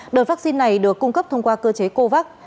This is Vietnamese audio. đợt vaccine này được cung cấp thông qua cơ chế covax